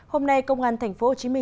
hôm nay công an tp hcm